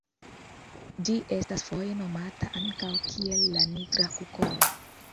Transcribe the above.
Ĝi estas foje nomata ankaŭ kiel la nigra kukolo.